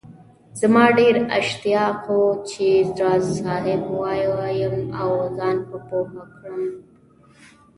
زما ډېر اشتياق وو چي راز صاحب ووايم او زان په پوهه کړم